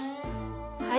はい。